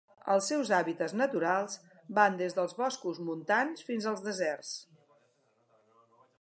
Els seus hàbitats naturals van des dels boscos montans fins als deserts.